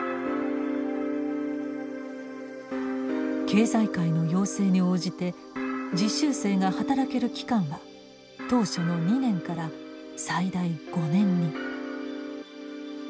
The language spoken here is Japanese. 経済界の要請に応じて実習生が働ける期間は当初の２年から最大５年に。